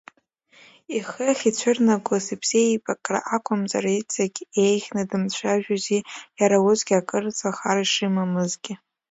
Ихыхь ицәырнагоз иԥсеибакра акәымзар, иҵегь еиӷьны дымцәажәози, иара усгьы акырӡа хар шимамызгьы.